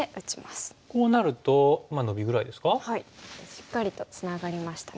しっかりとツナがりましたね。